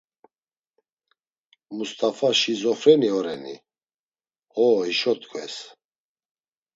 “Must̆afa şizofreni oreni?” “Ho, hişo t̆ǩves.”